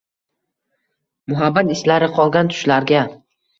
muhabbat islari qolgan tushlarga